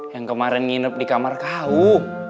yang kemarin nginep di kamar kau